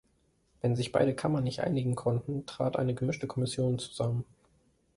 Wenn sich beide Kammern nicht einigen konnten, trat eine gemischte Kommission zusammen.